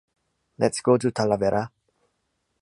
Let's go to Talavera.